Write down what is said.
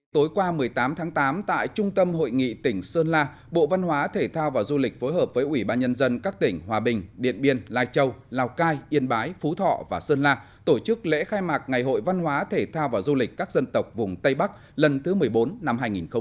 tối qua một mươi tám tháng tám tại trung tâm hội nghị tỉnh sơn la bộ văn hóa thể thao và du lịch phối hợp với ủy ban nhân dân các tỉnh hòa bình điện biên lai châu lào cai yên bái phú thọ và sơn la tổ chức lễ khai mạc ngày hội văn hóa thể thao và du lịch các dân tộc vùng tây bắc lần thứ một mươi bốn năm hai nghìn một mươi chín